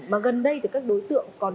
mà gần đây thì các đối tượng còn